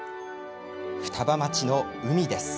双葉町の海です。